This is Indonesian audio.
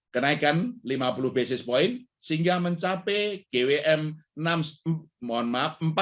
kenaikan lima puluh basis point sehingga mencapai gwm empat lima